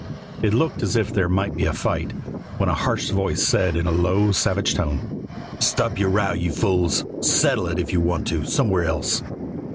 It looked as if there might be a fight, when a harsh voice said in a low, savage tone: "Stop your row, you fools; settle it, if you want to, somewhere else."